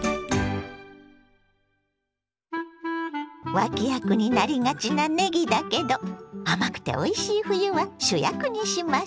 脇役になりがちなねぎだけど甘くておいしい冬は主役にしましょ！